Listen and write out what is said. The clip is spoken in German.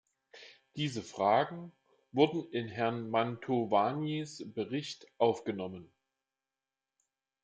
Diese Fragen wurden in Herrn Mantovanis Bericht aufgenommen.